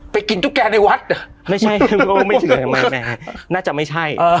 ไปกินตุ๊กแกนในวัดไม่ใช่ก็ไม่ถือไม่ไม่น่าจะไม่ใช่อืม